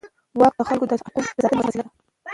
واک د خلکو د حقونو د ساتنې وسیله ده.